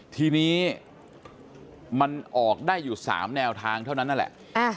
ทีนี้มันออกได้อยู่๓แนวทางเท่านั้นนั่นแหละ